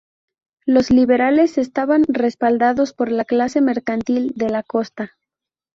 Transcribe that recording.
Los liberales estaban respaldados por la clase mercantil de la Costa.